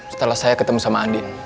setelah saya ketemu sama andin